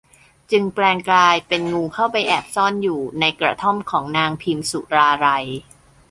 จึงแปลงกายเป็นงูเข้าไปแอบซ่อนอยู่ในกระท่อมของนางพิมสุราลัย